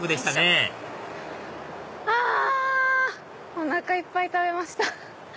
おなかいっぱい食べました。